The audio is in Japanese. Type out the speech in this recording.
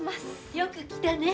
よく来たねえ。